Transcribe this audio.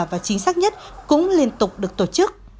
và chính xác nhất cũng liên tục được tổ chức